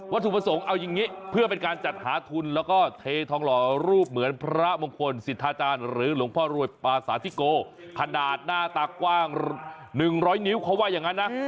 ถูกประสงค์เอาอย่างนี้เพื่อเป็นการจัดหาทุนแล้วก็เททองหล่อรูปเหมือนพระมงคลสิทธาจารย์หรือหลวงพ่อรวยปาสาธิโกขนาดหน้าตากว้าง๑๐๐นิ้วเขาว่าอย่างนั้นนะ